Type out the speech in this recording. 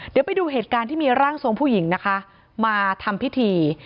เดี๋ยวไปดูเหตุการณ์ที่มีร่างทรงผู้หญิงนะคะมาทำพิธี